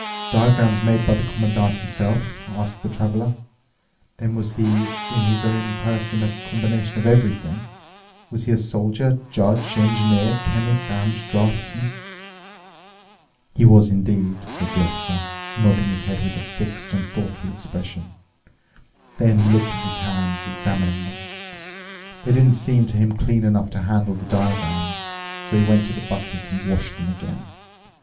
"Diagrams made by the Commandant himself?" asked the Traveler. "Then was he in his own person a combination of everything? Was he soldier, judge, engineer, chemist, and draftsman?" "He was indeed," said the Officer, nodding his head with a fixed and thoughtful expression. Then he looked at his hands, examining them. They didn't seem to him clean enough to handle the diagrams. So he went to the bucket and washed them again.